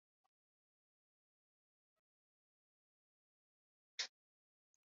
Clicks may be pronounced with a third place of articulation, glottal.